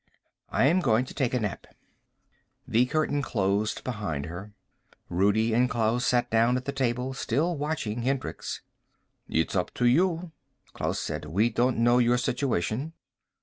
"I'm going to take a nap." The curtain closed behind her. Rudi and Klaus sat down at the table, still watching Hendricks. "It's up to you," Klaus said. "We don't know your situation."